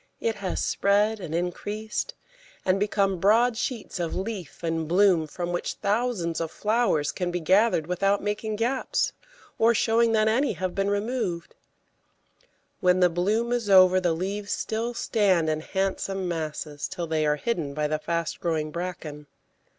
It has spread and increased and become broad sheets of leaf and bloom, from which thousands of flowers can be gathered without making gaps, or showing that any have been removed; when the bloom is over the leaves still stand in handsome masses till they are hidden by the fast growing bracken.